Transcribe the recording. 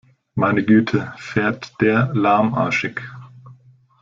Meine Güte, fährt der lahmarschig!